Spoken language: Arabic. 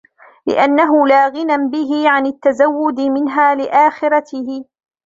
لِأَنَّهُ لَا غِنَى بِهِ عَنْ التَّزَوُّدِ مِنْهَا لِآخِرَتِهِ